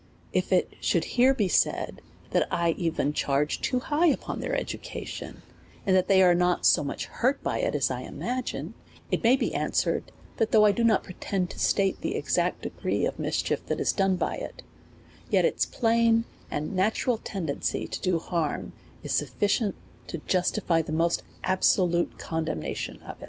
If it should here be said, that I even charge too high upon their education, and that they are not so much hurt by it, as 1 imagine : It may be answered, that though I do not pretertd to state the exact degree of mischief that is done by it, yet its plain and natural tendency to do harm, is sufficient tojustify the most absolute condemnutiou of it.